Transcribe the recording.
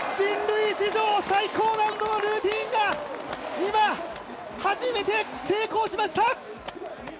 人類史上最高難度のルーティンが今、初めて成功しました。